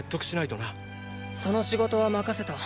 その仕事は任せた。